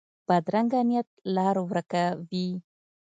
بدرنګه نیت لار ورکه وي